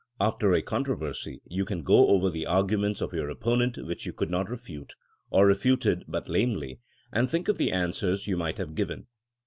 After a con troversy you can go over the arguments of your opponent which you could not refute, or refuted but lamely, and think of the answers you might have given.